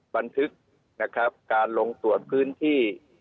บันทึกนะครับการลงตรวจพื้นที่